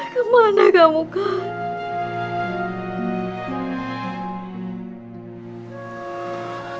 kemana kamu kang